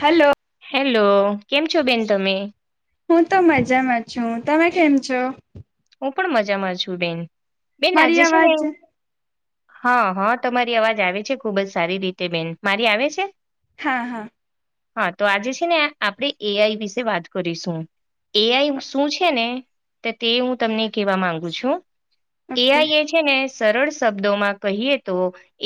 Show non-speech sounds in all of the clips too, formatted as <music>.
Hello. Hello કેમ છો બેન તમે? હું તો મજામાં છું તમે કેમ છો? હું પણ મજામા છું બેન, બેન મારી આજે છે ને અવાજ હા હા તમારી અવાજ આવે છે ખુબ જ સારી રીતે બેન મારી આવે છે? હા હા તો આજે છે ને આપણે એ આઈ વિશે વાત કરીશું. એ આઈ શું છે ને, તો તે હું. તમને કેવા માંગુ છું, ઓકે એઆઈ એ છે ને, સરળ શબ્દોમાં કહીએ તો.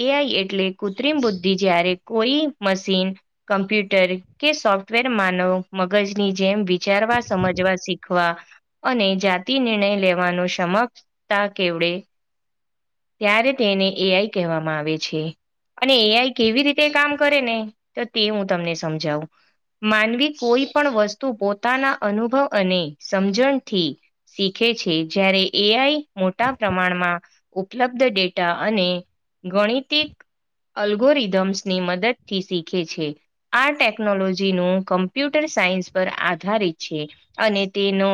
એ આઈ એટલે કૃત્રિમ બુદ્ધિ જય્યારે કોઈ મશીન કમ્પ્યુટર કે સોફ્ટવેર માનવ મગજની જેમ વિચારવા સમજવા શીખવા. અને જાતિ નિર્ણય લેવાનો સમક્ષતા કેવડે. ત્યારે તેને એઆઈ કહેવામાં આવે છે. અને એઆઈ કેવી રીતે કામ કરે ને તો તે હું તમને સમજાવું. માનવી કોઈ પણ વસ્તુ પોતાના અનુભવ અને સમજણથી શીખે છે, જ્યારે એઆઈ મોટા પ્રમાણમાં ઉપલબ્ધ ડેટા અને ગણિતિક અલ્ગોરિધમ્સની મદદથી શીખે છે આ ટેકનોલોજીનું કમ્પ્યુટર સાયન્સ પર આધારિત છે, અને તેનો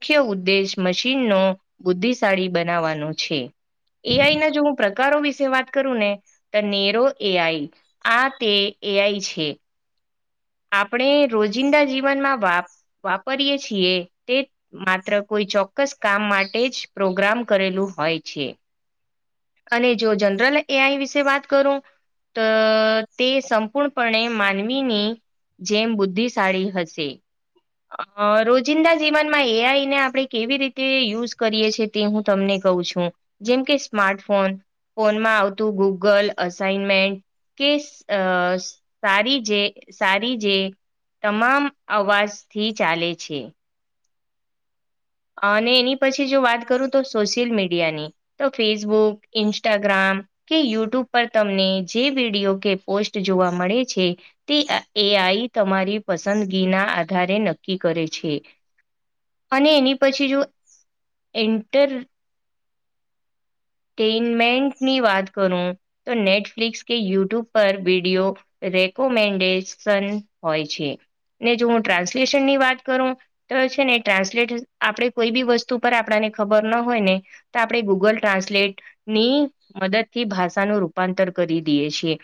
મુખ્ય ઉદ્દેશ મશીનનો બુદ્ધિશાળી બનાવવાનો છે. એઆઈ ના જો હું પ્રકારો વિશે વાત કરું ને. ત નેરો એઆઈ આ તે એઆઈ છે. આપણે રોજિંદા જીવનમાં વા વાપરીએ છીએ તે. માત્ર કોઈ ચોક્કસ કામ માટે જ પ્રોગ્રામ કરેલું હોય છે. અને જો જનરલ એ આઈ વિશે વાત કરુ તો તે સંપૂર્ણપણે માનવીની. જેમ બુદ્ધિશાળી હશે. અ રોજિંદા જીવનમાં એઆઈ ને આપણે કેવી રીતે યુઝ કરીએ છીએ. તે હું તમને કહું છું જેમ કે સ્માર્ટફોન. ફોનમાં આવતું ગૂગલ અસાઈનમેન્ટ. કે અ તારી જે. સારી જે તમામ અવાજથી ચાલે છે. અને એની પછી જો વાત કરું તો સોશિયલ મીડિયાની તો ફેસબુક ઇન્સ્ટાગ્રામ કે યુટ્યુબ પર તમને જે વિડીયો કે પોસ્ટ જોવા મળે છે તે એ આઈ તમારી પસંદગી ના આધારે નક્કી કરે છે અને એની પછી જો એન્ટર ટેમેન્ટની વાત કરું તો નેટફ્લિક્સ કે યુટ્યુબ પર વિડીયો રેકોમેન્ડેશન હોય છે ને જો હું ટ્રાન્સલેશનની વાત કરું તો છે ને ટ્રાન્સલેટ આપણે કોઈ બી વસ્તુ પર આપણાને ખબર ના હોય ને તો આપણે ગૂગલ ટ્રાન્સલેટ ની મદદ થી ભાષાનું રૂપાંતર કરી દઈએ છીએ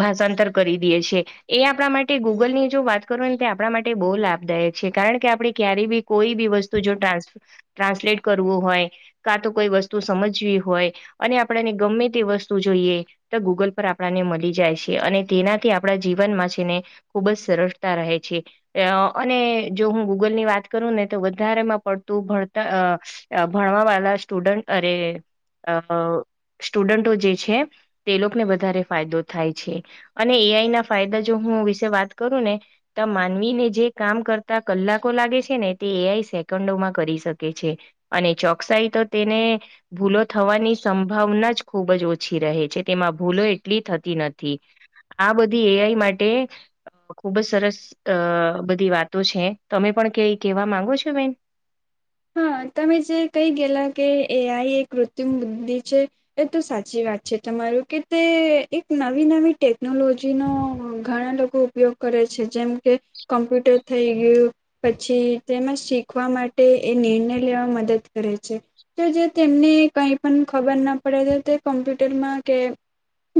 ભાષાંતર કરી દેએ છે, એ આપણા માટે ગૂગલ ની જો વાત કરું ને તે આપણા માટે બહુ લાભદાયક છે, કારણ કે આપણે ક્યારે બી કોઈ બી વસ્તુ જો ટ્રન્ ટ્રાન્સલેટ કરવું હોય કા તો કોઈ વસ્તુ સમજવી હોય અને આપણેને ગમે તે વસ્તુ જોઈએ તો ગૂગલ પર આપણાને મળી જાય છે, અને તેનાથી આપણા જીવનમાં છે ને ખુબ જ સરળતા રહે છે, અને જો હું ગૂગલ ની વાત કરું ને તો વધારેમાં પડતું ભણતર ભણવા વાળા સ્ટુડન્ટ અરે અ સ્ટુડન્ટો જે છે તે લોકોને વધારે ફાયદો થાય છે, અને એઆઈ ના ફાયદા જો હું વિશે વાત કરું ને ત માનવીને જે કામ કરતા કલાકો લાગે છે ને તે એઆય સેકન્ડોમાં કરી શકે છે અને ચોકસાઈ તો તેને ભૂલો થવાની સંભાવના જ ખૂબ જ ઓછી રહે છે તેમાં ભૂલો એટલી થતી નથી આ બધી એઆઈ માટે ખુબ જ સરસ અ બધી વાતો છે તમે પણ કઈ કેવા માંગો છો બેન? હા તમે જે કહી ગયેલા કે એ આઈ એક મૃત્યુ બુદ્ધિ છે એ તો સાચી વાત છે, તમારું કે તે એક નવી નવી ટેકનોલોજી નો ઘણા લોકો ખૂબ ઉપયોગ કરે છે, જેમ કે કમ્પ્યુટર થઈ ગયું પછી તેમાં શીખવા માટે એ નિર્ણય લેવા મદદ કરે છે, તો જે તેમને કઈ પણ ખબર ના પડે તો તે કોમ્પ્યુટરમાં કે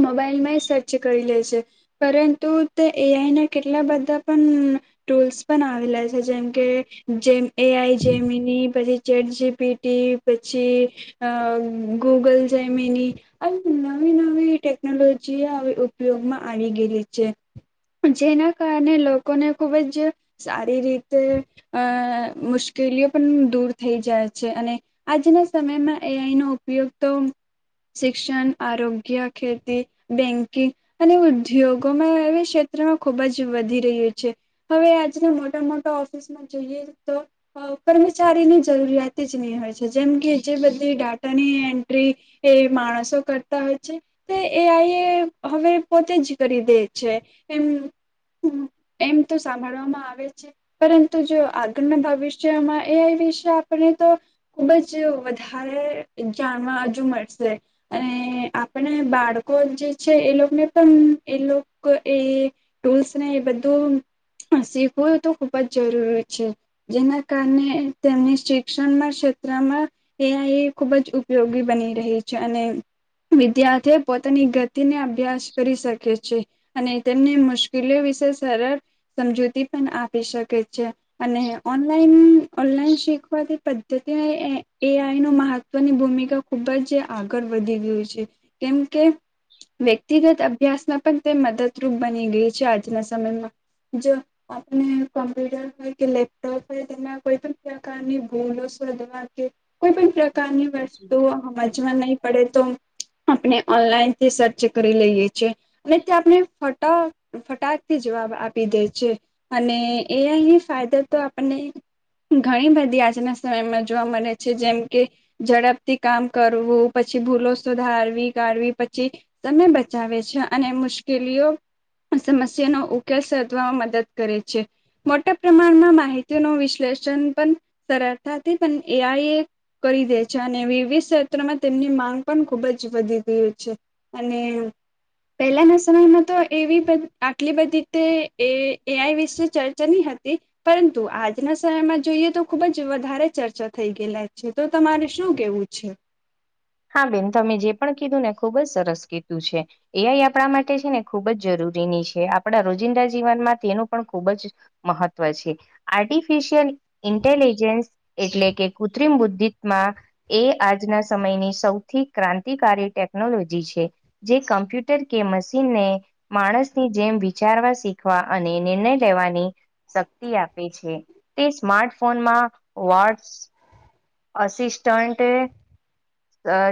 મોબાઈલમાંય સર્ચ કરી લે છે, પરંતુ તે એઆઈ ના કેટલા બધા પણ ટૂલ્સ પણ આવેલા છે જેમ કે જેમ એ આઈ જેમીની પછી ચેટ જી પી ટી પછી અ ગૂગલ જેમીની આવી નવી નવી ટેકનોલોજી ઉપયોગમાં આવી ગયેલી છે, જેના કારણે લોકોને ખુબ જ સારી રીતે અ મુસ કેલીઓ પણ દૂર થઈ જાય છે, અને આજના સમયમાં એઆઈ નો ઉપયોગ તો શિક્ષણ આરોગ્ય ખેતી બેકિંગ અને ઉદ્યોગોમાં એ ક્ષેત્રમાં ખુબ જ વધી રહ્યું છે, હવે આજના મોટા મોટા ઓફિસમાં જોઈએ તો કર્મચારીની જરૂરિયાત જ નહી હોય છે, જેમ કે જે બધી ડાટાની એન્ટ્રી એ માણસો કરતા હોય છે, તે એ આઈ એ હવે પોતે જ કરી દે છે, એમ એમ તો સાંભળવામાં આવે છે, પરંતુ જો આગળના ભવિસ જેમાં એ વિશે આપણે તો ખુબ જ વધારે જાણવા હજુ મળશે અને આપણા બાળકો જે છે, એ લોકોને પણ, એ લોકો એ ટૂલ્સ ને એ બધું શીખવું, તો ખુબ જ જરૂરી છે જેના કારને તેમની શિક્ષણ ના ક્ષેત્રમાં એઆઈ એ ખુબ જ ઉપયોગી બની રહી છે. અને વિદ્યાર્થીઓ પોતાની ગ તેને અભ્યાસ કરી શકે છે, અને તેમને મુશ્કેલીઓ વિશે સરળ સમજૂતી પણ આપી શકે છે, અને ઓનલાઈન ઓનલાઈન શીખવાતી પદ્ધતિ એઆઈ નો મહત્વની ભૂમિકા ખુબ જ આગળ વધી ગયું છે, કેમ કે વ્યક્તિગત અભ્યાસમાં પણ તે મદદરૂપ બની ગઈ છે, આજના સમયમાં જો આપ ને કમ્પ્યુટર હોય કે લેપટોપ કોઈ તેમના કોઈ પણ પ્રકારની ભૂલો શોધવા કે, કોઈ પણ પ્રકારની વસ્તુ સમજમાં નહી પડે તો? આપણે ઓનલાઈનથી સર્ચ કરી લઈએ છીએ અને તે આપણે ફટા ફટાકથી જવાબ આપી દેય છે, અને એ અહીં ફાયદો તો આપણને ઘણી બધી આજના સમયમાં જોવા મળે છે જેમ કે, ઝડપથી કામ કરવું, પછી ભૂલો સુધારવી, કાઢવી પછી સમય બચાવે છે, અને મુશ્કેલીઓ સમસ્યાનો ઉકેલ શોધવામાં મદદ કરે છે મોટા પ્રમાણમાં માહિ તીનો વિશ્લેષણ પણ સરળતાથી પણ એ આઈ એક કરી દે છે, અને વિવિધ ક્ષેત્રમાં તેમની માંગ પણ ખુબ જ વધી ગઈ છે અને પહેલાના સમયમાં તો, એવી આટલી બધી તે એ એઆઈ વિશે ચર્ચાની હતી. પરં તો આજના સમયમાં જોઈએ, તો ખુબ જ વધારે ચર્ચા થઈ ગયેલા છે, તો તમારે શું કેવું છે? હા બેન તમે જે પણ, કીધું ને ખુબ જ સરસ કીધું છે. એ આઈ આપણા માટે છે ને ખૂબ જ જરૂરીની છે. આપણા રોજિંદા જીવનમાં તેનું પણ ખૂબ જ મહત્વ છે, આર્ટિફિશિયલ ઇન્ટેલિજન્સ એટલે કે, કૃત્રિમ બુદ્ધિત્મા એ આજના સમયની સૌથી ક્રાંતિકારી ટેકનોલોજી છે, જે કમ્પ્યુટર કે મશીનને માણસની જેમ વિચારવા શીખવા અને નિર્ણય લેવાની શક્તિ આપે છે, તે સ્માર્ટફોનમાં વોટસ અસિસ્ટન્ટ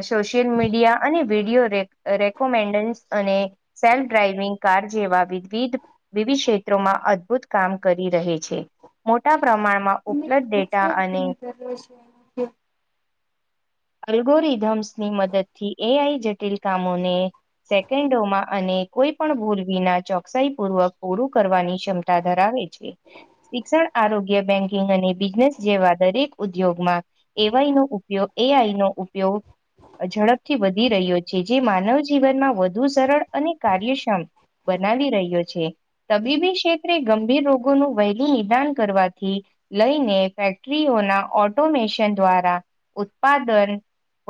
સોશિયલ મીડિયા અને વિડીયો રેકોમેન્ડન્સ અને સેલ્ફ ડ્રાઈવિંગ કાર જેવા વિવિધ વિવિધ ક્ષેત્રોમાં અદભુત કામ કરી રહે છે. મોટા પ્રમાણમાં ઉ તમને બ્લડ ખબર છે ડેટા અને <inaudible> અલ્ગોરીધમ્સની મદદથી, એ આઈ જટિલ કામોને સેકન્ડોમાં અને કોઈ પણ ભૂલવિના ચોકસાઈ પૂર્વક પૂરું કરવાની ક્ષમ તા ધરાવે છે. શિક્ષણ, આરોગ્ય, બેંકિંગ અને બિઝનેસ જેવા દરેક ઉદ્યોગમાં એવાઈ નો ઉપયોગ, એ આઈ નો ઉપયોગ ઝડપથી વધી રહ્યો છે, જે માનવ જીવનમાં વધુ સરળ અને કાર્યક્ષમ બનાવી રહ્યો છે. તબીબી ક્ષેત્રે ગંભીર રોગોનું વહેલું નિદાન કરવાથી લઈને ફેક્ટરીઓના ઓટોમેશન દ્વારા, ઉત્પાદન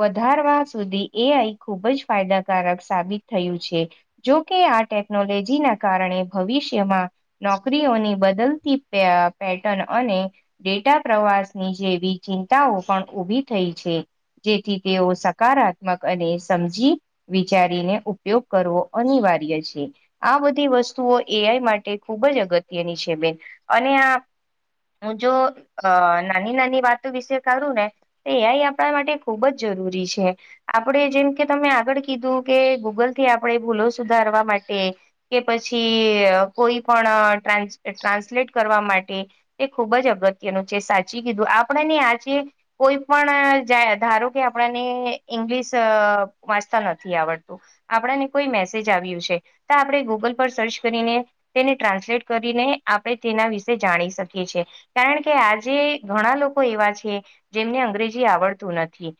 વધારવા સુધી એ આઈ ખૂબ જ ફાયદાકારક સાબિત થયું છે. જોકે આ ટેકનોલોજીના કારણે ભવિષ્યમાં નોકરીઓની બદલતી પેટર્ન, અને ડેટા પ્રવાસની જેવી ચિંતાઓ પણ ઉભી થઈ છે. જેથી તેઓ સકારાત્મક અને સમજી વિચારીને ઉપયોગ કરવો અનિવાર્ય છે. આ બધી વસ્તુઓ એ આઈ માટે ખૂબ જ અગત્યની છે બેન, અને આ હું જો નાની નાની વાતો વિશે કરું ને. તો એય આપણા માટે ખુબ જ જરૂરી છે. આપણે જેમ કે તમે આગળ કીધું કે ગૂગલ થી આપણે ભૂલો સુધારવા માટે. કે પછી કોઈ પણ ટ ટ્રાન્સલેટ કરવા માટે. એ ખૂબ જ અગત્યનું છે સાચી કીધું આપણે ને આજે કોઈ પણ ધારો કે આપણને ઈંગ્લિશ વાંચતા નથી આવડતું. આપણાને કોઈ મેસેજ આવ્યું છે, તો આપણે ગૂગલ પર સર્ચ કરીને તેને ટ્રાન્સલેટ કરીને આપણે તેના વિશે જાણી શકીએ છએ. કારણ કે આજે ઘણા લોકો એવા છે, જેમને અંગ્રેજી આવડતું નથી.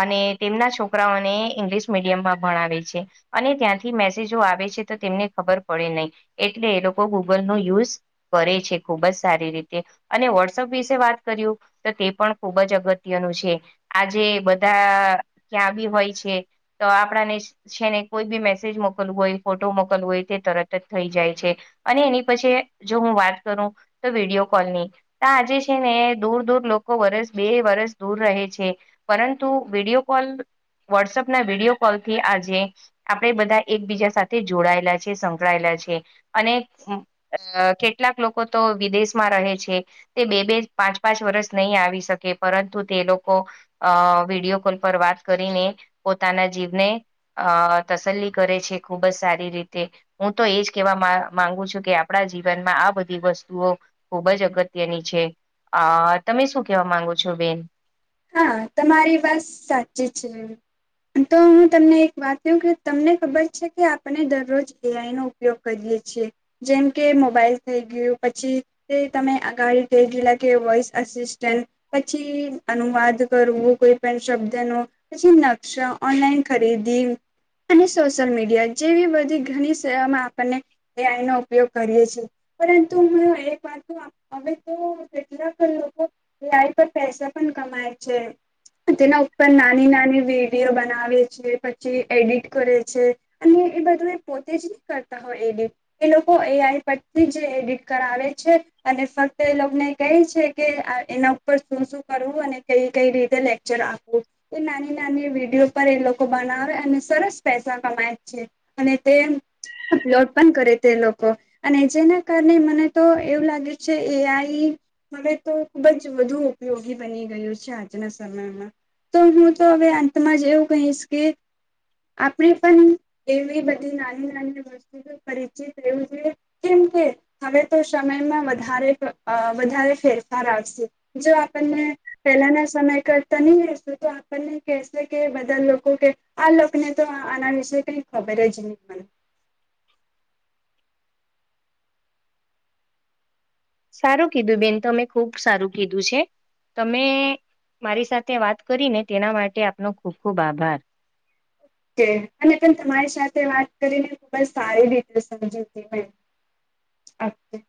અને તેમના છોકરાઓને ઇંગ્લિશ મીડિયમમાં ભણાવે છે. અને ત્યાંથી મેસેજો આવે છે તો તેમને ખબર પડે નહીં એટલે એ લોકો ગૂગલનો યુઝ કરે છે ખુબ જ સારી રીતે, અને વોટ્સઅપ વિશે વાત કર્યું. તો તે પણ ખૂબ જ અગત્યનું છે, આજે બધા ક્યાં બી હોય છે. તો આપણાને છે ને કોઈ બી મેસેજ મોકલવું હોય ફોટો મોકલવ હોય તે તરત જ થઈ જાય છે. અને એની પછી જો હું વાત કરું, તો વિડીયો કોલની. તજે છે ને દૂર દૂર લોકો વરસ બે વરસ દૂર રહે છે, પરંતુ વિડીયો કોલ વોટ્સઅપ ના વિડીયો કોલથી આજે. આપણેે બધા એકબીજા સાથે જોડાયેલા છે સંકળાયેલા છે. અને કેટલાક લોકો તો વિદેશમાં રહે છે. તે બે બે પાંચ પાંચ વર્ષ નહીં આવી શકે પરંતુ તે લોકો. અ વિડીયો કોલ પર વાત કરીને, પોતાના જીવને અ તસલી કરે છે ખુબ જ સારી રીતે હું તો એજ કેહેવા મા માંગુ છું કે આપણા જીવનમાં આ બધી વસ્તુઓ ખુબ જ અગત્યની છે આ તમે શું કેવા માંગો છો બેન હા તમારી વાત સાચી છે. તો હું તમને એક વાત ક કે તમને ખબર છે કે આપણને દરરોજ એ આઈ ન ઉપયોગ કરીએે છીએ, જેમ કે મોબાઈલ થઇ ગયું પછી તે તમે અગાડી ભ ગીલા કે વોઇસ અસિસ્ટન્ટ, પછી અનુવાદ કરવું કોઈ પણ શબ્દ ન, પછી નકશા ઓનલાઈન ખરીદી. અને સોશિયલ મીડિયા જેવી બધી ઘણી સેવામાં આપણને એ આઈ નો ઉપયોગ કરીએ છે પરંતુ હું એક વાત હવે તો કેટલાક લોકો લાઈક પર પૈસા પણ કમાય છે તેના ઉપર નાની નાની વિડીયો બનાવે છે પછી એડિટ કરે છે અને એ બધું એ પોતે જ નહી કરતા હોય એડિટ એ લોકો એ આઈ પરથી જ એડિટ કરાવે છે અને ફક્ત એ લોકોને કહે છે કે એના ઉપર શું શું કરવું અને કઈ કઈ રીતે લેક્ચર આપવું એ નાની નાની વિડીયો પર એ લોકો બનાવે અને સરસ પૈસા કમાય છે અને તે અપલોડ પણ કરે તે લોકો અને જેના કારણે મને તો એવું લાગે છે એ આઈ હવે તો ખુબ જ વધુ ઉપયોગી બની ગયું છે આજના સમયમાં તો હું તો હવે અંતમાં જ એવું કહીશ કે આપણે પણ એવી બધી નાની નાની વસ્તુ પરિચિત રહ છે કેમ કે હવે તો સમયમાં વધારે વધારે ફેરફાર આવશે જો આપણને પહેલાના સમય કરતા નહી રહેશે તો આપણને કેહેશે કે બધા લોકો કે આ લોકોને તો આના વિશે કઈ ખબર જ નહી મને સારું કીધું બેન તમે ખુબ સારું કીધું છે તમે મારી સાથે વાત કરી ને તેના માટે આપનો ખુબ ખુબ આભાર અને પણ તમારી સાથે વાત કરીને ખુબ જ સારી રિતે સમજી <inaudible> અચછા